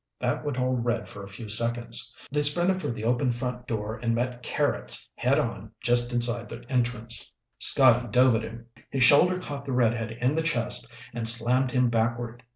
That would hold Red for a few seconds. They sprinted for the open front door and met Carrots head on just inside the entrance. Scotty dove at him. His shoulder caught the redhead in the chest and slammed him backward.